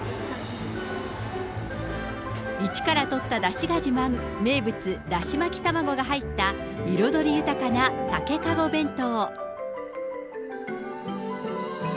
一からとっただしが自慢、名物、だし巻き卵が入った彩り豊かな竹籠弁当。